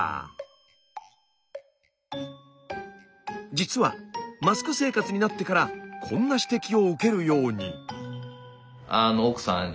実はマスク生活になってからこんな指摘を受けるように。